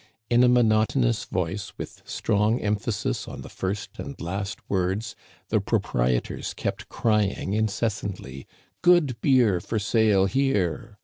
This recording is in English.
In a monotonous voice, with strong emphasis on the first and last words, the proprietors kept crying incessantly, " Good beer for sale here